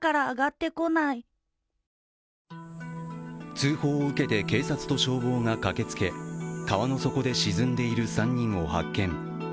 通報を受けて警察と消防が駆けつけ、川の底で沈んでいる３人を発見。